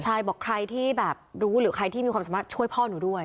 ใช่บอกใครที่แบบรู้หรือใครที่มีความสามารถช่วยพ่อหนูด้วย